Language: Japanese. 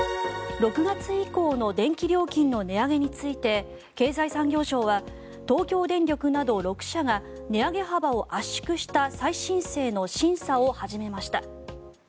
６月以降の電気料金の値上げについて経済産業省は東京電力など６社が値上げ幅を圧縮した再申請の審査を始めました。